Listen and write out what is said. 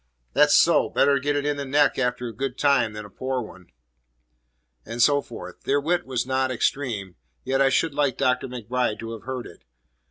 "That's so! Better get it in the neck after a good time than a poor one." And so forth. Their wit was not extreme, yet I should like Dr. MacBride to have heard it.